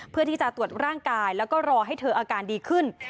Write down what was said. เพื่อที่จะตรวจร่างกายแล้วก็รอให้เธออาการดีขึ้น